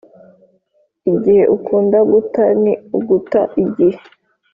“igihe ukunda guta ni uguta igihe.”